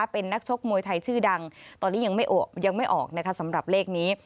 เป็นนักชกมวยไทยชื่อดังตอนนี้ยังไม่ออกนะคะสำหรับเลขนี้